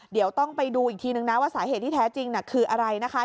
เดี๋ยวต้องไปดูอีกทีนึงนะว่าสาเหตุที่แท้จริงคืออะไรนะคะ